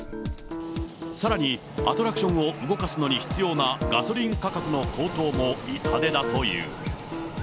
さらにアトラクションを動かすのに必要なガソリン価格の高騰も痛手だという。